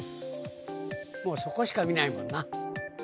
もうそこしか見ないもんな。